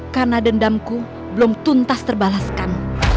karena dendamku belum tuntas terbalaskan